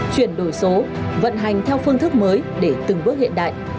chuyển đổi số vận hành theo phương thức mới để từng bước hiện đại